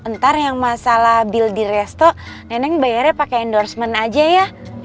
ntar yang masalah bill di resto neneng bayarnya pakai endorsement aja ya